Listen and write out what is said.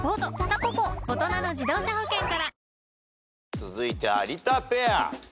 続いて有田ペア。